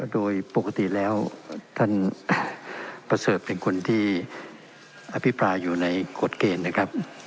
โดยปกติแล้วท่านประเสริฐเป็นคนที่อภิปรายอยู่ในกฎเกณฑ์นะครับ